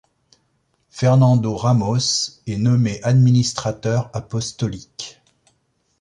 Fernando Ramos est nommé administrateur apostolique.